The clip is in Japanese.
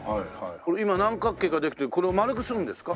今何角形かできてこれを丸くするんですか？